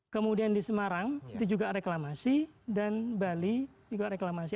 kemudian di semarang itu juga reklamasi dan bali juga reklamasi